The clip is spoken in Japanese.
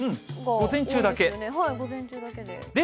午前中だけで。